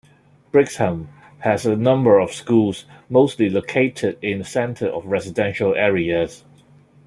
Brixham has a number of schools, mostly located in the centre of residential areas.